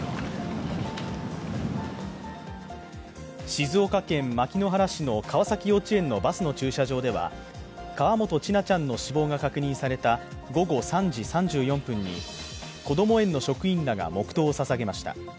静岡県牧之原市の川崎幼稚園のバスの駐車場では河本千奈ちゃんの死亡が確認された午後３時３４分にこども園の職員らが黙とうをささげました。